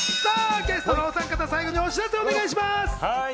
ゲストのおさん方、最後にお知らせをお願いします。